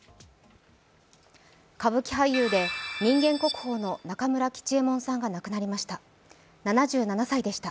歌舞伎俳優で人間国宝の中村吉右衛門さんが亡くなりました。